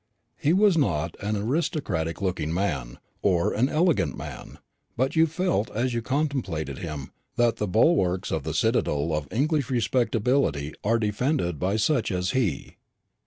He was not an aristocratic looking man, or an elegant man; but you felt, as you contemplated him, that the bulwarks of the citadel of English respectability are defended by such as he.